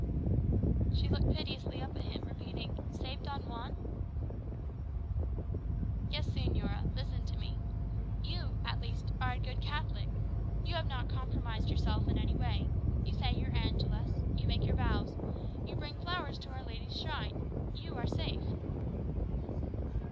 She looked piteously up at him, repeating, "Save Don Juan?" "Yes, señora. Listen to me. You, at least, are a good Catholic. You have not compromised yourself in any way: you say your angelus; you make your vows; you bring flowers to Our Lady's shrine. You are safe."